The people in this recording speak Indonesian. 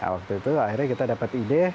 waktu itu akhirnya kita dapat ide